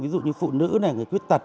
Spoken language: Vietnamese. ví dụ như phụ nữ người quyết tật